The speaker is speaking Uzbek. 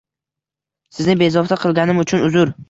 Sizni bezovta qilganim uchun uzr.